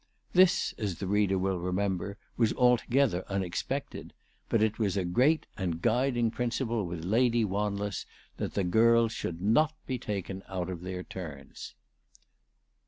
This, as the reader will remember, was altogether unexpected ; but it was a great and guiding principle with Lady Wanless that the girls should not be taken out of their turns.